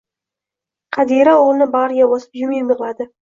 Qadira oʻgʻlini bagʻriga bosib, yum-yum yigʻladi